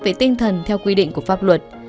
về tinh thần theo quy định của pháp luật